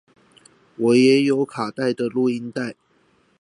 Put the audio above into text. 我也有卡帶的錄音帶